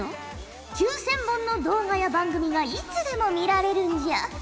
９０００本の動画や番組がいつでも見られるんじゃ。